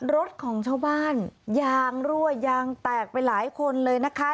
รถของชาวบ้านยางรั่วยางแตกไปหลายคนเลยนะคะ